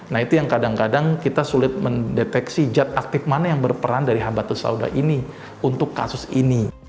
nah itu yang kadang kadang kita sulit mendeteksi jad aktif mana yang berperan dari habatus sauda ini untuk kasus ini